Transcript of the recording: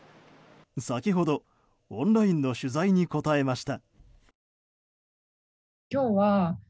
先ほど、オンラインの取材に答えました。